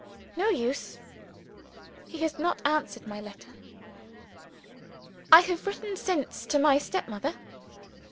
No use! He has not answered my letter. I have written since to my step mother.